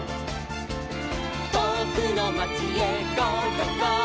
「とおくのまちへゴー！